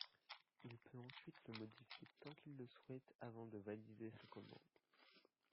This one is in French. Il peut ensuite le modifier tant qu'il le souhaite avant de valider sa commande.